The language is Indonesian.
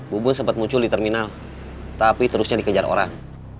bubur sempat muncul di terminal tapi terusnya dikejar orang